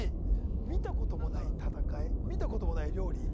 見たこともない戦い見たこともない料理。